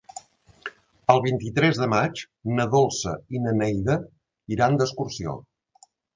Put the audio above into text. El vint-i-tres de maig na Dolça i na Neida iran d'excursió.